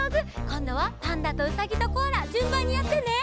こんどはパンダとうさぎとコアラじゅんばんにやってね。